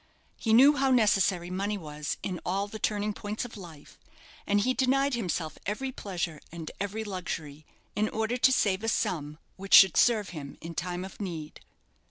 He knew how necessary money was in all the turning points of life, and he denied himself every pleasure and every luxury in order to save a sum which should serve him in time of need.